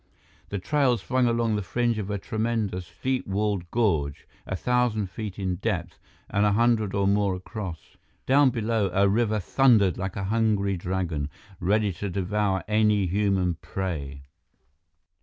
The trail swung along the fringe of a tremendous, steep walled gorge a thousand feet in depth and a hundred or more across. Down below, a river thundered like a hungry dragon, ready to devour any human prey.